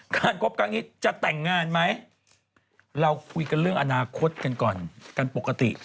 คบครั้งนี้จะแต่งงานไหมเราคุยกันเรื่องอนาคตกันก่อนกันปกติ